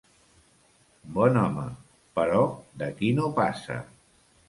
Bon home, però d'aquí no passa.